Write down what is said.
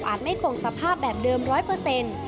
ไม่คงสภาพแบบเดิมร้อยเปอร์เซ็นต์